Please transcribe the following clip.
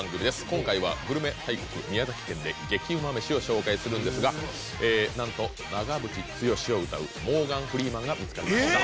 今回はグルメ大国宮崎県で激ウマめしを紹介するんですがええ何と長渕剛を歌うモーガン・フリーマンが見つかりました